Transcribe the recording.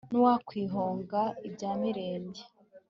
n'uwakwihonga ibya mirenge